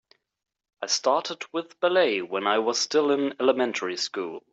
I started with ballet when I was still in elementary school.